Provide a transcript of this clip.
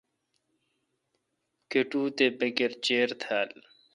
کٹو تے بکر چیر تھال ۔